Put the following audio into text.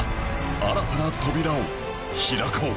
新たな扉を開こう